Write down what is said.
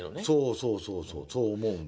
そうそうそうそう思うんだ。